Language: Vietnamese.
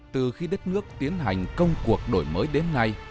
từ khi đất nước tiến hành công cuộc đổi mới đến nay